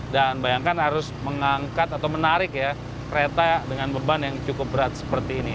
dan bayangkan harus mengangkat atau menarik ya kereta dengan beban yang cukup berat seperti ini